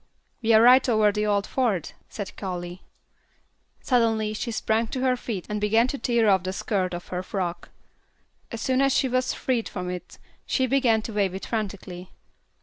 "We are right over the old ford," said Callie. Suddenly she sprang to her feet and began to tear off the skirt of her frock. As soon as she was freed from it she began to wave it frantically.